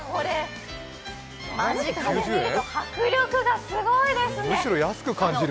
間近で見ると迫力がすごいですね。